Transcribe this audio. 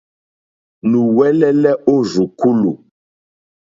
Nùwɛ́lɛ́lɛ́ ó rzùkúlù.